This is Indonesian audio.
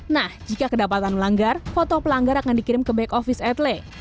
nah jika kedapatan melanggar foto pelanggar akan dikirim ke back office atle